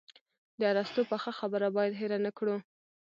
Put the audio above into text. د ارسطو پخه خبره باید هېره نه کړو.